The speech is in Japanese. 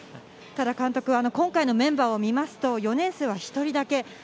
ただ今回のメンバーを見ると４年生は１人だけ。